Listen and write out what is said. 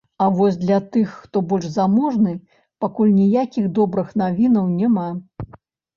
А вось для тых, хто больш заможны, пакуль ніякіх добрых навінаў няма.